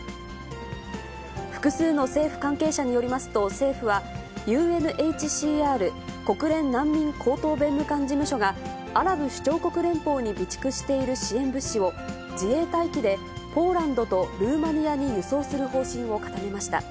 複数の政府関係者によりますと、政府は、ＵＮＨＣＲ・国連難民高等弁務官事務所が、アラブ首長国連邦に備蓄している支援物資を、自衛隊機でポーランドとルーマニアに輸送する方針を固めました。